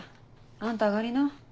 あんた上がりな。